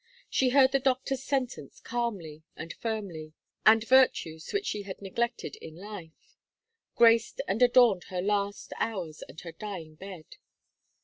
She heard the doctor's sentence calmly and firmly; and virtues which she had neglected in life, graced and adorned her last hours and her dying bed.